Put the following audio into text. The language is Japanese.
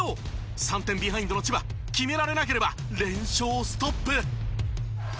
３点ビハインドの千葉決められなければ連勝ストップ。